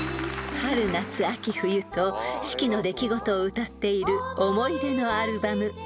［春夏秋冬と四季の出来事を歌っている『思い出のアルバム』］